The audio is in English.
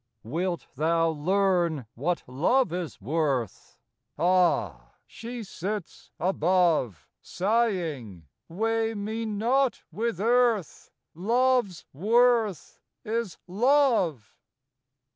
Wilt thou learn what love is worth ? Ah ! she sits above, Sighing, ' Weigh me not with earth, Love's worth is love.